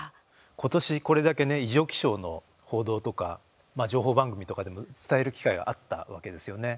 今年これだけね異常気象の報道とか情報番組とかでも伝える機会があったわけですよね。